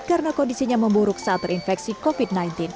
karena kondisinya memburuk saat terinfeksi covid sembilan belas